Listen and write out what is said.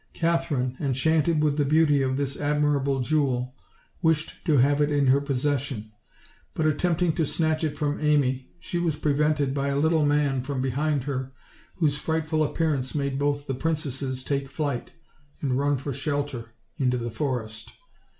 Katherine, enchanted with the beauty of this admirable jewel, wished to have it in her posses sion; but attempting to snatch it from Amy, she was pre vented by a little man from behind her, whose frightful appearance made both the princesses take flight, and run for shelter into the forest.